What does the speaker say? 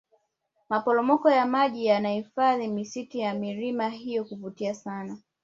maporomoko ya maji yanaifanya misitu ya milima hiyo kuvutia sana